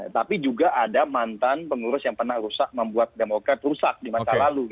tapi juga ada mantan pengurus yang pernah rusak membuat demokrat rusak di masa lalu